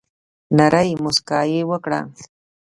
نرۍ مسکا یي وکړه